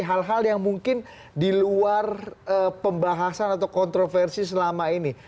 hal hal yang mungkin di luar pembahasan atau kontroversi selama ini